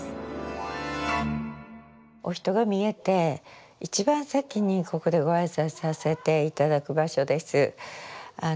お人が見えて一番先にここでご挨拶させて頂く場所です。